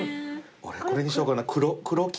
俺これにしようかな黒金？